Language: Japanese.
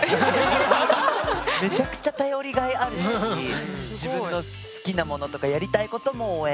めちゃくちゃ頼りがいあるし自分の好きなものとかやりたいことも応援してくれて。